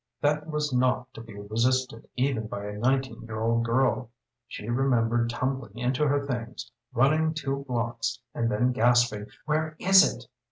That was not to be resisted even by a nineteen year old girl. She remembered tumbling into her things, running two blocks, and then gasping "Where is it?"